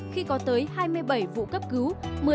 khi có tới hai mươi bảy vụ cấp cứu